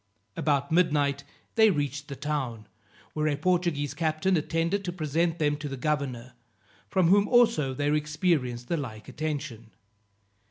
About midnight they reached the town, where a Portuguese captain attended to present them to the governor, from whom also they experienced the like attention.